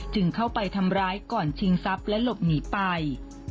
เข้าไปทำร้ายก่อนชิงทรัพย์และหลบหนีไป